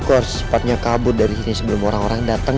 aku harus sempatnya kabur dari sini sebelum orang orang datang